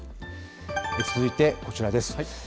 続いてこちらです。